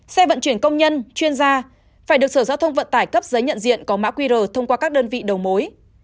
xe vận chuyển công nhân chuyên gia phải được sở giao thông vận tải cấp giấy nhận diện có mã qr thông qua các đơn vị đầu mối